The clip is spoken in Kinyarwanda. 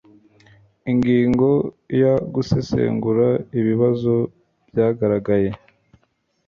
ingingo ya gusesengura ibibazo byagaragaye